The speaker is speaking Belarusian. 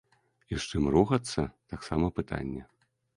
І з чым рухацца, таксама пытанне.